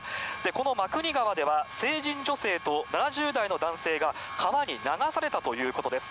この真国川では、成人女性と７０代の男性が、川に流されたということです。